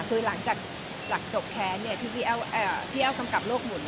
คือหลังจากหลักจบแค้นเนี้ยที่พี่แอลเอ่อพี่แอลกำกับโลกหมุน